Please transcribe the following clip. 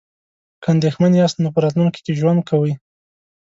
که اندیښمن یاست نو په راتلونکي کې ژوند کوئ.